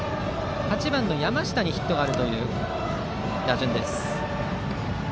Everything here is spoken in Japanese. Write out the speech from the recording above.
８番、山下にヒットがあるという打順です。